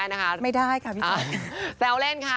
ท้อยล้างเลยท้อยล้าง